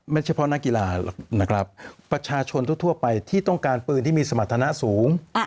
เฉพาะนักกีฬาหรอกนะครับประชาชนทั่วไปที่ต้องการปืนที่มีสมรรถนะสูง